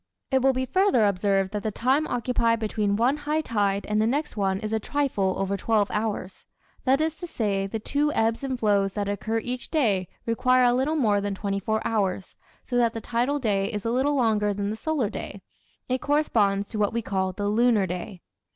It will be further observed that the time occupied between one high tide and the next one is a trifle over twelve hours. That is to say, the two ebbs and flows that occur each day require a little more than twenty four hours, so that the tidal day is a little longer than the solar day. It corresponds to what we call the lunar day.